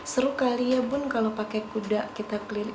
seru kali ya bun kalau pakai kuda kita keliling